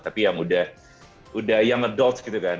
tapi yang udah young adult gitu kan